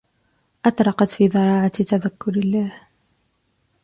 أطرقت في ضراعة تذكر الله